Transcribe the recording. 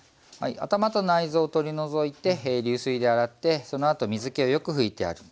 頭と内臓を取り除いて流水で洗ってそのあと水けをよく拭いてある。